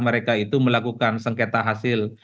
mereka itu melakukan sengketa hasil